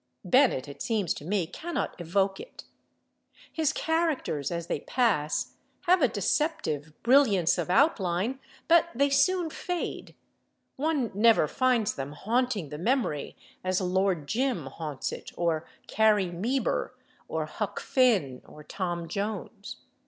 Bennett, it seems to me, cannot evoke it. His characters, as they pass, have a deceptive brilliance of outline, but they soon fade; one never finds them haunting the memory as Lord Jim haunts it, or Carrie Meeber, or Huck Finn, or Tom Jones.